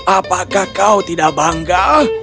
apakah kau tidak bangga